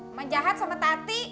emak jahat sama tati